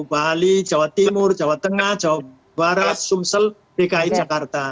bali jawa timur jawa tengah jawa barat sumsel dki jakarta